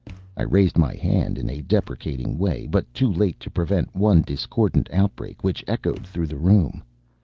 I raised my hand in a deprecating way, but too late to prevent one discordant outbreak which echoed through the room.